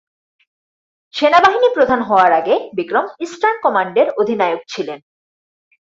সেনাবাহিনী প্রধান হওয়ার আগে বিক্রম ইস্টার্ন কমান্ডের অধিনায়ক ছিলেন।